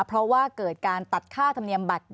เพราะว่าเกิดการตัดค่าธรรมเนียมบัตร